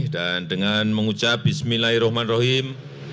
dan dengan mengucap bismillahirrahmanirrahim